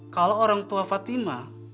kalau orang tua fatima